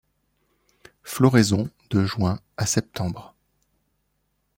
Floraison de juin à septembre.